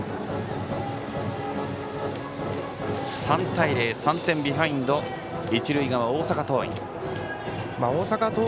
３対０、３点ビハインド一塁側の大阪桐蔭。